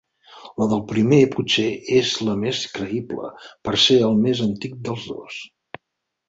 La del primer potser és la més creïble, per ser el més antic dels dos.